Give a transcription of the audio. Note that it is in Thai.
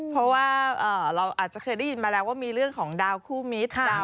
เพราะว่าเราอาจจะเคยได้ยินมาแล้วว่ามีเรื่องของดาวคู่มิตร